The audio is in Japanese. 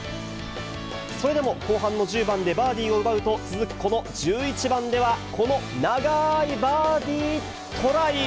それでも後半の１０番でバーディーを奪うと、続くこの１１番では、この長いバーディートライ。